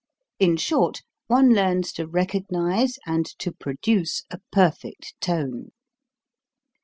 In short, one learns to recognize and to produce a perfect tone.